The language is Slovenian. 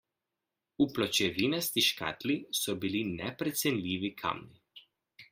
V pločevinasti škatli so bili neprecenljivi kamni.